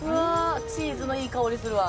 チーズのいい香りするわ。